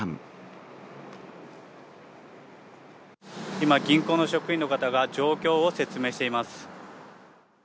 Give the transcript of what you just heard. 今、銀行の職員の方が状況を説明しています。